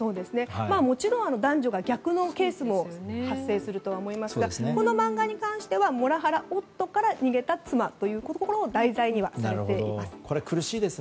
もちろん男女が逆のケースも発生するとは思いますがこの漫画ではモラハラ夫から逃げた妻ということを題材にはされています。